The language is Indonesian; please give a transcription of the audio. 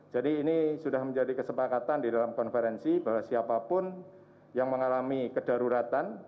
jadi ini sudah menjadi kesepakatan di dalam konferensi bahwa siapapun yang mengalami kedaruratan